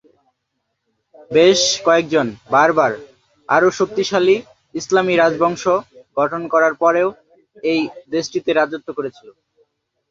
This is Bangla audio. বেশ কয়েকজন বার্বার আরও শক্তিশালী ইসলামী রাজবংশ গঠন করার পরে এই দেশটিতে রাজত্ব করেছিল।